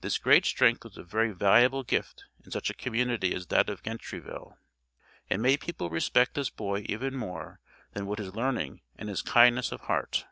This great strength was a very valuable gift in such a community as that of Gentryville, and made people respect this boy even more than would his learning and his kindness of heart.